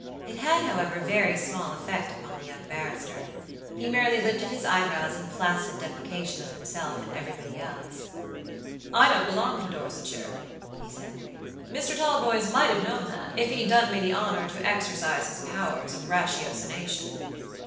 It had, however, very small effect upon the young barrister. He merely lifted his eyebrows in placid deprecation of himself and everybody else. "I don't belong to Dorsetshire," he said. "Mr. Talboys might have known that, if he'd done me the honor to exercise his powers of ratiocination.